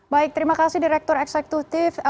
baik terima kasih direktur eksekutif